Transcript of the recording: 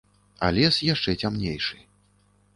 А лес яшчэ цямнейшы.